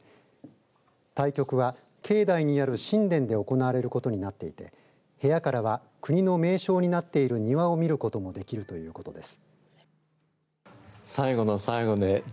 対局は境内にある宸殿で行われることになっていて部屋からは国の名勝になっている庭を見ることもできるということです。